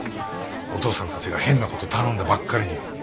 お父さんたちが変なこと頼んだばっかりに。